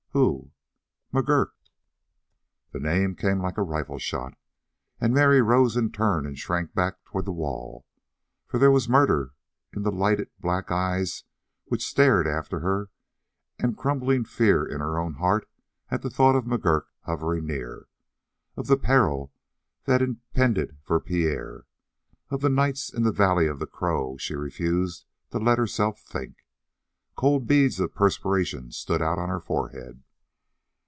"Who?" "McGurk!" The name came like a rifle shot and Mary rose in turn and shrank back toward the wall, for there was murder in the lighted black eyes which stared after her and crumbling fear in her own heart at the thought of McGurk hovering near of the peril that impended for Pierre. Of the nights in the valley of the Crow she refused to let herself think. Cold beads of perspiration stood out on her forehead.